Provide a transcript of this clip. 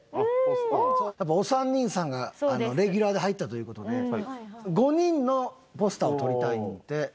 やっぱお三人さんがレギュラーで入ったという事で５人のポスターを撮りたいねんて。